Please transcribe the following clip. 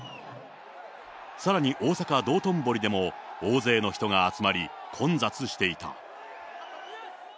さらに大阪・道頓堀でも、大勢の人が集まり、混雑していた。